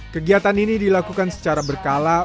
kegiatan ini dilakukan secara berkala